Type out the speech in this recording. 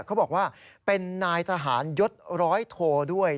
เขาบอกว่าเป็นนายทหารยศร้อยโทด้วย